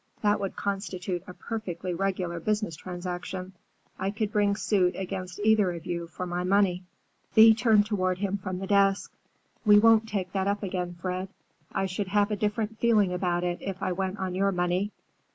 That would constitute a perfectly regular business transaction. I could bring suit against either of you for my money." Thea turned toward him from the desk. "We won't take that up again, Fred. I should have a different feeling about it if I went on your money.